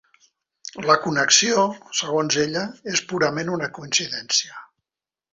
La connexió, segons ella, és purament una coincidència.